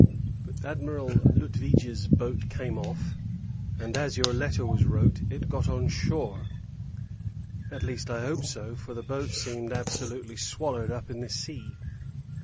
But Admiral Lutwidge's boat came off; and, as your letter was wrote, it got on shore: at least, I hope so; for the boat seemed absolutely swallowed up in the sea.